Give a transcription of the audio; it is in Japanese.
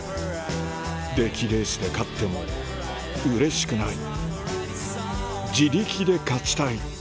出来レースで勝ってもうれしくない自力で勝ちたい